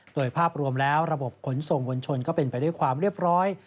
โดยภาพรวมแล้วระบบขนส่งมวลชนก็เป็นไปด้วยความเรียบร้อย